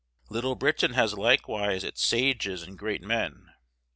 Little Britain has likewise its sages and great men.